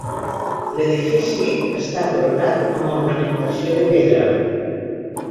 L'edifici està coronat amb ornamentació de pedra.